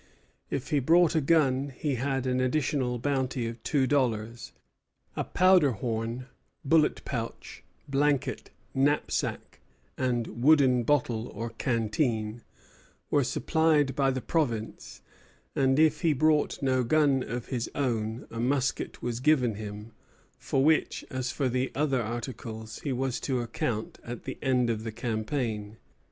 If he brought a gun, he had an additional bounty of two dollars. A powder horn, bullet pouch, blanket, knapsack, and "wooden bottle," or canteen, were supplied by the province; and if he brought no gun of his own, a musket was given him, for which, as for the other articles, he was to account at the end of the campaign.